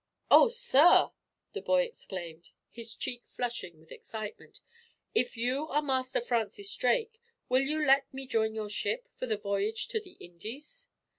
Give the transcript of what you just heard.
"Oh, sir!" the boy exclaimed, his cheek flushing with excitement. "If you are Master Francis Drake, will you let me join your ship, for the voyage to the Indies?"